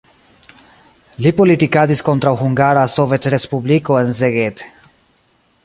Li politikadis kontraŭ Hungara Sovetrespubliko en Szeged.